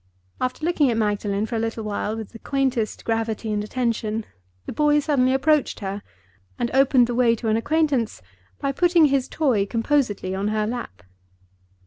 After looking at Magdalen for a little while with the quaintest gravity and attention, the boy suddenly approached her, and opened the way to an acquaintance by putting his toy composedly on her lap.